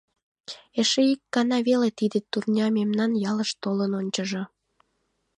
Эше ик гана веле тиде турня мемнан ялыш толын ончыжо...